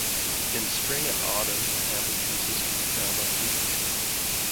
In Spring and Autumn amber pieces can be found on the beach.